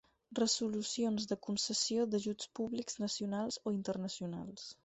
Resolucions de concessió d'ajuts públics nacionals o internacionals.